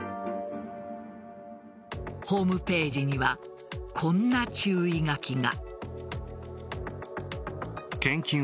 ホームページにはこんな注意書きが。